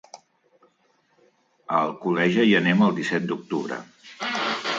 A Alcoleja hi anem el disset d'octubre.